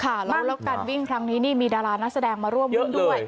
แล้วการวิ่งครั้งนี้นี่มีดารานักแสดงมาร่วมวิ่งด้วย